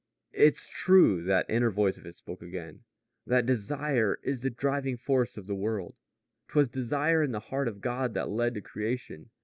"It's true," that inner voice of his spoke again, "that desire is the driving force of the world. 'Twas desire in the heart of God that led to creation.